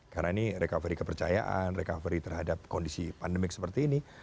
karena ini recovery kepercayaan recovery terhadap kondisi pandemik seperti ini